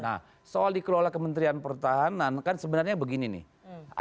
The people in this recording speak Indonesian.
nah soal dikelola kementerian pertahanan kan sebenarnya begini nih